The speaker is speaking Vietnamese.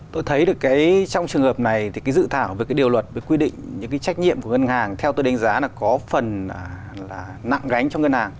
tôi thấy được trong trường hợp này thì cái dự thảo về cái điều luật về quy định những cái trách nhiệm của ngân hàng theo tôi đánh giá là có phần là nặng gánh cho ngân hàng